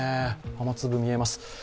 雨粒が見えます。